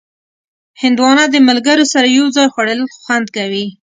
هندوانه د ملګرو سره یو ځای خوړل خوند لري.